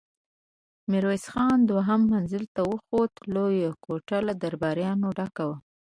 ميرويس خان دوهم منزل ته وخوت، لويه کوټه له درباريانو ډکه وه.